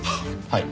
はい。